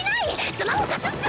スマホ貸すっス！